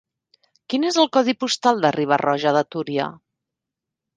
Quin és el codi postal de Riba-roja de Túria?